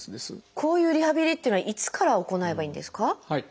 こういうリハビリっていうのはいつから行えばいいんですか？